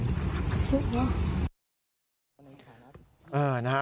เชื่อว่า